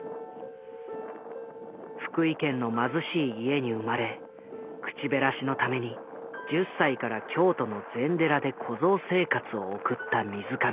福井県の貧しい家に生まれ口減らしのために１０歳から京都の禅寺で小僧生活を送った水上。